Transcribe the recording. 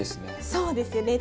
そうですよね。